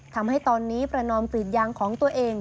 ทำให้ตอนนี้ประนอมกรีดยางของตัวเอง